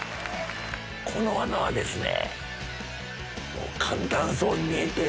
この技はですね。